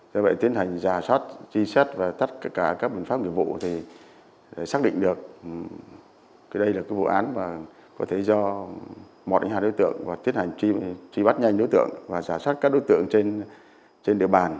do vậy tiến hành giả soát chi xét và tắt cả các bản pháp nhiệm vụ để xác định được đây là cái vụ án và có thể do một đến hai đối tượng và tiến hành chi bắt nhanh đối tượng và giả soát các đối tượng trên địa bàn